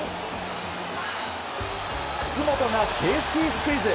楠本がセーフティースクイズ。